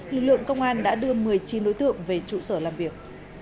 lực lượng công an đã đưa một mươi chín đối tượng về trụ sở làm việc